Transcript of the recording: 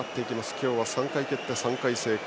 今日は、３回蹴って３回成功。